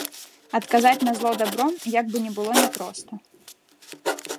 Адказаць на зло дабром, як бы ні было няпроста.